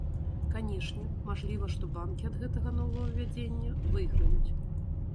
Канешне, мажліва, што банкі ад гэтага новаўвядзення выйграюць.